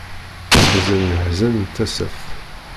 Teḥzen leḥzen n tasaft.